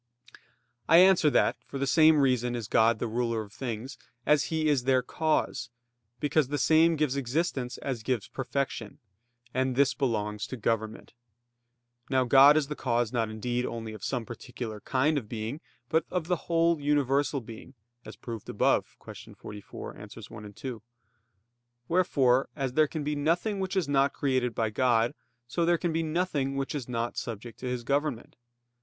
I answer that, For the same reason is God the ruler of things as He is their cause, because the same gives existence as gives perfection; and this belongs to government. Now God is the cause not indeed only of some particular kind of being, but of the whole universal being, as proved above (Q. 44, AA. 1, 2). Wherefore, as there can be nothing which is not created by God, so there can be nothing which is not subject to His government.